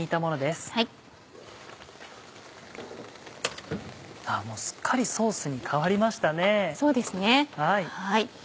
すっかりソースに変わりましたね。